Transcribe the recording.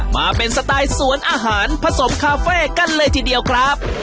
มาเป็นสไตล์สวนอาหารผสมคาเฟ่กันเลยทีเดียวครับ